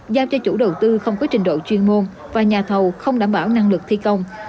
giao cho chủ đầu tư không có trình độ chuyên môn và nhà thầu không đảm bảo năng lực thi công